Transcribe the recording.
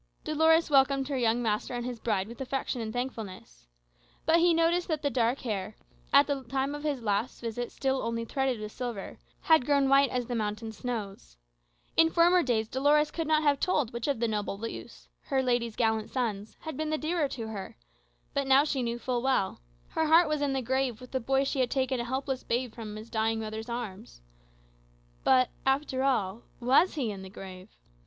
Dolores welcomed her young master and his bride with affection and thankfulness. But he noticed that the dark hair, at the time of his last visit still only threaded with silver, had grown white as the mountain snows. In former days Dolores, could not have told which of the noble youths, her lady's gallant sons, had been the dearer to her. But now she knew full well. Her heart was in the grave with the boy she had taken a helpless babe from his dying mother's arms. But, after all, was he in the grave?